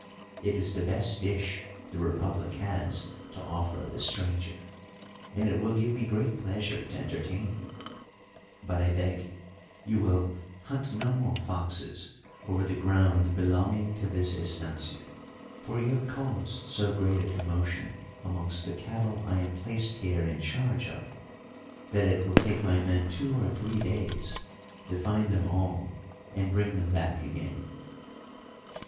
It is the best dish the republic has to offer the stranger, and it will give me great pleasure to entertain you; but I beg you will hunt no more foxes over the ground belonging to this estancia, for you have caused so great a commotion amongst the cattle I am placed here in charge of, that it will take my men two or three days to find them all and bring them back again."